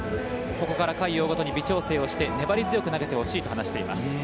ここから回を追うごとに微調整をして粘り強く投げてほしいと話しています。